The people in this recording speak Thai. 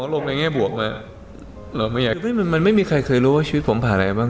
ตัวเหลลงในแง่บวกน่ะยังไม่มีใครเคยรู้ว่าชีวิตผมผ่านอะไรบ้าง